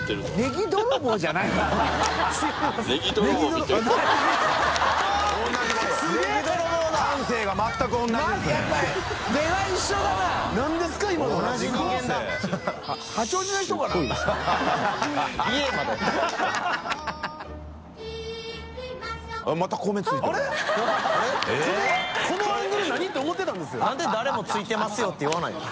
きむ）なんで誰も「付いてますよ」って言わないの？